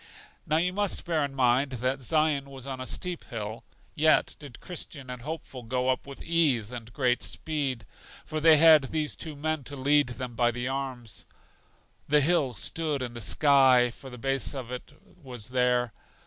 Now you must bear in mind that Zion was on a steep hill, yet did Christian and Hopeful go up with ease and great speed, for they had these two men to lead them by the arms. The hill stood in the sky, for the base of it was there.